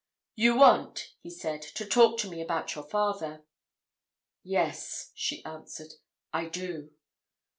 "You want," he said, "to talk to me about your father." "Yes," she answered. "I do."